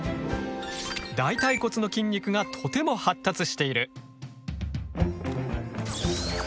大腿骨の筋肉がとても発達している。